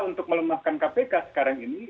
untuk melemahkan kpk sekarang ini